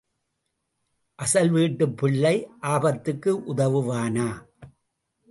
அசல் வீட்டுப் பிள்ளை ஆபத்துக்கு உதவுவானா?